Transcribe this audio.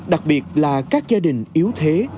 đặc biệt là các gia đình yếu thế